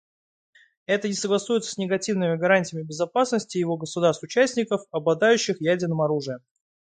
Это не согласуется с негативными гарантиями безопасности его государств-участников, обладающих ядерным оружием.